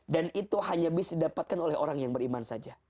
dan itu hanya bisa didapatkan oleh orang yang beriman saja